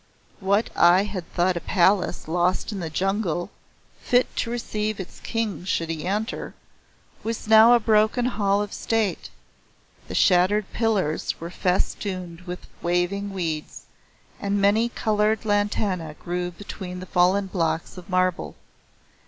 What I had thought a palace lost in the jungle, fit to receive its King should he enter, was now a broken hall of State; the shattered pillars were festooned with waving weeds, the many coloured lantana grew between the fallen blocks of marble.